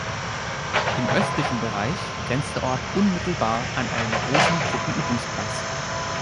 Im östlichen Bereich grenzt der Ort unmittelbar an einen großen Truppenübungsplatz.